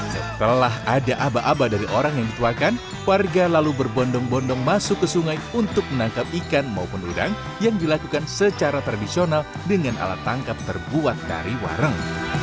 setelah ada aba aba dari orang yang dituakan warga lalu berbondong bondong masuk ke sungai untuk menangkap ikan maupun udang yang dilakukan secara tradisional dengan alat tangkap terbuat dari wareng